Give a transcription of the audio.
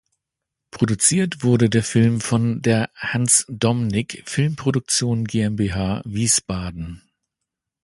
Produziert wurde der Film von der Hans Domnick Filmproduktion GmbH, Wiesbaden.